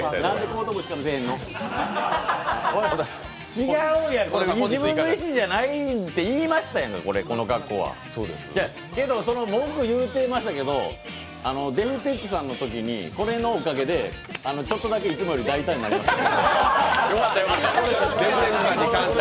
違うやん、自分の意思じゃないって言いましたやんけど、文句言うてましたけど、ＤｅｆＴｅｃｈさんのときにこれのおかげでちょっとだけいつもより大胆になれました。